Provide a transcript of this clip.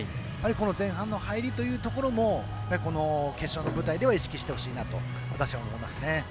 前半の入りというところもこの決勝の舞台では意識してほしいなと私は思いますね。